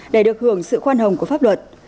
để được hưởng sự khoan hồng của pháp luật